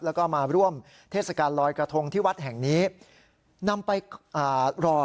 แล้วก็มาร่วมเทศกาลลอยกระทงที่วัดแห่งนี้นำไปอ่ารอ